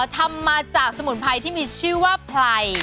ทำมาจากสมุนไพรที่มีชื่อว่าไพร